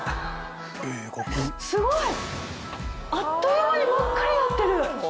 すごい！あっという間に真っ赤になってる。